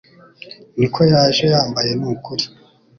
niko yaje yambaye nukuri